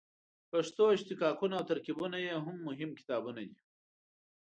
پښتو اشتقاقونه او ترکیبونه یې هم مهم کتابونه دي.